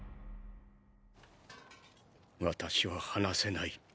私は話せない。